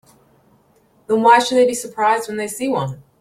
Then why should they be surprised when they see one?